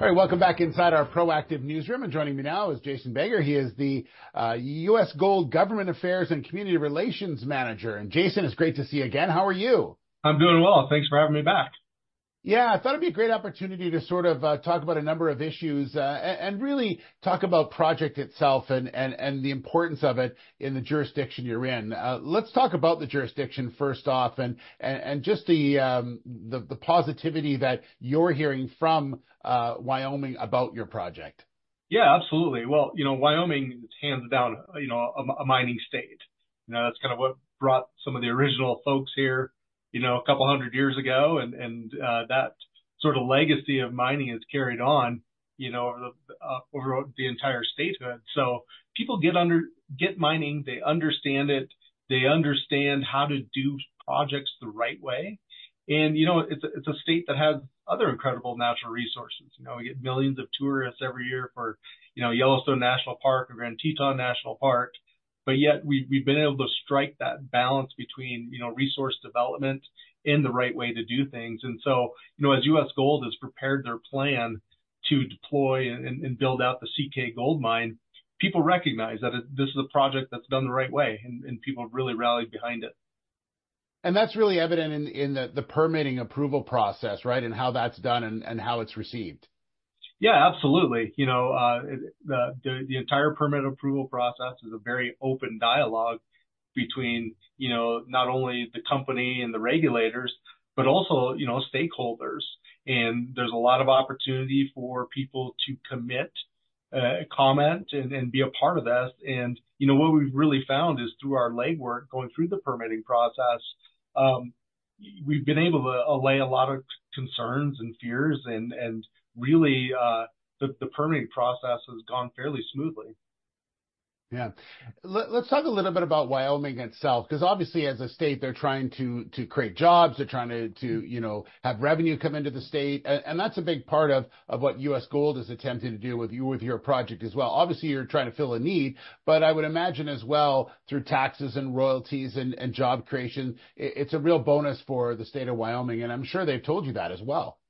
All right, welcome back inside our Proactive newsroom. Joining me now is Jason Begger. He is the U.S. Gold Government Affairs and Community Relations Manager. Jason, it's great to see you again. How are you? I'm doing well. Thanks for having me back. Yeah. I thought it'd be a great opportunity to sort of, talk about a number of issues, and really talk about project itself and, and, and the importance of it in the jurisdiction you're in. Let's talk about the jurisdiction first off, and, and, and just the, the, the positivity that you're hearing from, Wyoming about your project. Yeah, absolutely. Well, you know, Wyoming is hands down, you know, a m- a mining state. You know, that's kind of what brought some of the original folks here, you know, 200 years ago and, and, that sort of legacy of mining has carried on, you know, over the, over the entire statehood. People get under- get mining, they understand it, they understand how to do projects the right way. You know, it's a, it's a state that has other incredible natural resources. You know, we get millions of tourists every year for, you know, Yellowstone National Park or Grand Teton National Park, yet we, we've been able to strike that balance between, you know, resource development and the right way to do things. You know, as U.S. Gold has prepared their plan to deploy and, and, and build out the CK Gold Mine, people recognize that this is a project that's done the right way, and, and people have really rallied behind it. That's really evident in, in the, the permitting approval process, right? How that's done and, and how it's received. Yeah, absolutely. You know, the entire permit approval process is a very open dialogue between, you know, not only the company and the regulators, but also, you know, stakeholders. There's a lot of opportunity for people to commit, comment, and be a part of this. You know, what we've really found is through our legwork, going through the permitting process, we've been able to allay a lot of concerns and fears and really, the permitting process has gone fairly smoothly. Yeah. Let, let's talk a little bit about Wyoming itself, 'cause obviously, as a state, they're trying to, to create jobs, they're trying to, to, you know, have revenue come into the state, that's a big part of, of what US Gold is attempting to do with your project as well. Obviously, you're trying to fill a need, but I would imagine as well, through taxes and royalties and, and job creation, it, it's a real bonus for the state of Wyoming, and I'm sure they've told you that as well.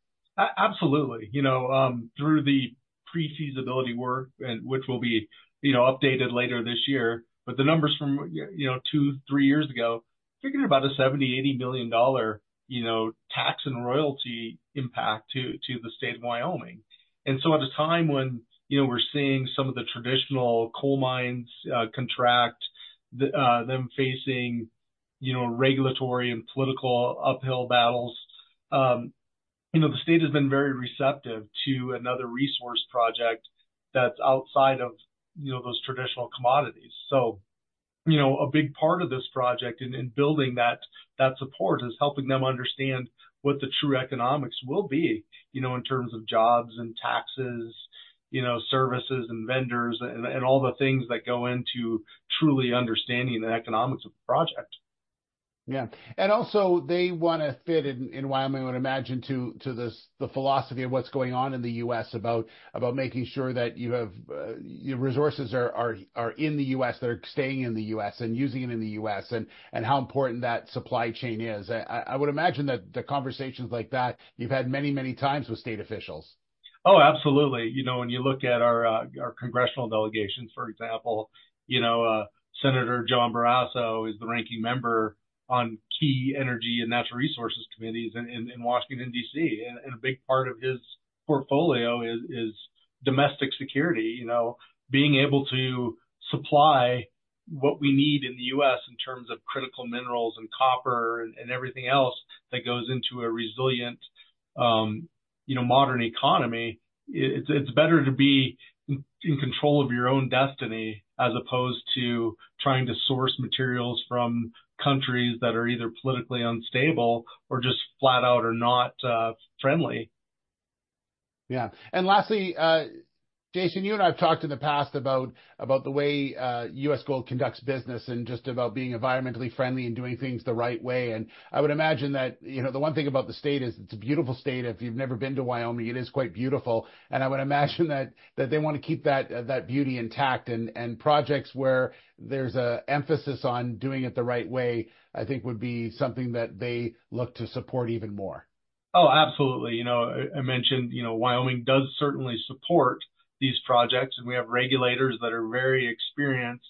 Absolutely. You know, through the pre-feasibility work and which will be, you know, updated later this year, but the numbers from you know, two, three years ago, figured about a $70 million-$80 million, you know, tax and royalty impact to the state of Wyoming. So at a time when, you know, we're seeing some of the traditional coal mines contract, them facing, you know, regulatory and political uphill battles, you know, the state has been very receptive to another resource project that's outside of, you know, those traditional commodities. you know, a big part of this project in, in building that, that support is helping them understand what the true economics will be, you know, in terms of jobs and taxes, you know, services and vendors, and, and all the things that go into truly understanding the economics of the project. Yeah. Also, they wanna fit in, in Wyoming, I would imagine, to, to this, the philosophy of what's going on in the U.S. about, about making sure that you have, your resources are, are, are in the U.S., that are staying in the U.S. and using it in the U.S., and, and how important that supply chain is. I, I would imagine that the conversations like that, you've had many, many times with state officials. Oh, absolutely. You know, when you look at our congressional delegations, for example, you know, Senator John Barrasso is the ranking member on key energy and natural resources committees in Washington, D.C. A big part of his portfolio is domestic security. You know, being able to supply what we need in the U.S. in terms of critical minerals and copper and everything else that goes into a resilient, you know, modern economy, it's better to be in control of your own destiny as opposed to trying to source materials from countries that are either politically unstable or just flat out or not friendly. Yeah. Lastly, Jason, you and I have talked in the past about, about the way U.S. Gold Corp. conducts business and just about being environmentally friendly and doing things the right way. I would imagine that, you know, the one thing about the state is it's a beautiful state. If you've never been to Wyoming, it is quite beautiful, and I would imagine that, that they wanna keep that beauty intact. Projects where there's a emphasis on doing it the right way, I think would be something that they look to support even more. Oh, absolutely. You know, I, I mentioned, you know, Wyoming does certainly support these projects, and we have regulators that are very experienced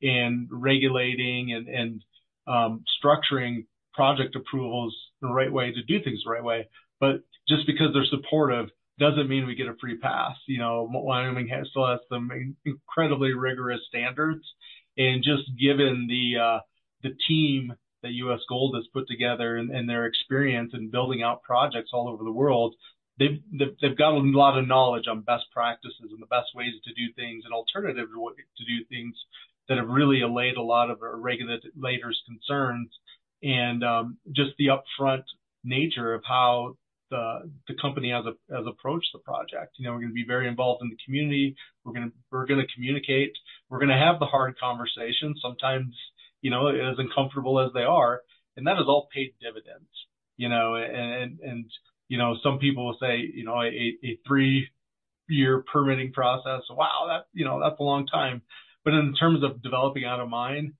in regulating and, and structuring project approvals the right way to do things the right way. Just because they're supportive doesn't mean we get a free pass. You know, Wyoming still has some incredibly rigorous standards, and just given the team that U.S. Gold has put together and, and their experience in building out projects all over the world, they've, they've, they've got a lot of knowledge on best practices and the best ways to do things and alternatives to do things that have really allayed a lot of our regulators' concerns and just the upfront nature of how the, the company has approached the project. You know, we're gonna be very involved in the community, we're gonna communicate, we're gonna have the hard conversations, sometimes, you know, as uncomfortable as they are, and that has all paid dividends. You know, and, you know, some people will say, you know, "A 3-year permitting process, wow, that, you know, that's a long time." In terms of developing out of mine,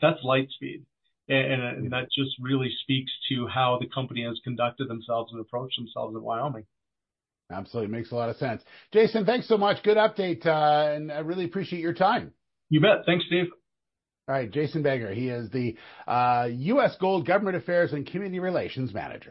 that's light speed. That just really speaks to how the company has conducted themselves and approached themselves in Wyoming. Absolutely, makes a lot of sense. Jason, thanks so much. Good update, and I really appreciate your time. You bet. Thanks, Steve. All right, Jason Begger, he is the, U.S. Gold Government Affairs and Community Relations Manager.